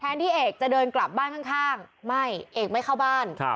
ที่เอกจะเดินกลับบ้านข้างไม่เอกไม่เข้าบ้าน